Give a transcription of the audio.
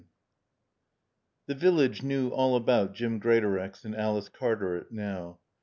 XLIX The village knew all about Jim Greatorex and Alice Cartaret now.